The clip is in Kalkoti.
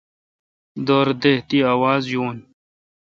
دور دا تی آواز یون۔